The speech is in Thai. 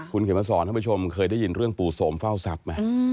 คุณเขียนมาสอนท่านผู้ชมเคยได้ยินเรื่องปู่โสมเฝ้าทรัพย์ไหม